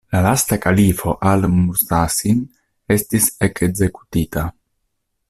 La lasta kalifo Al-Mustasim estis ekzekutita.